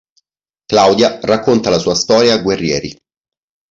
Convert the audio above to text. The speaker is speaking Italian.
Claudia racconta la sua storia a Guerrieri.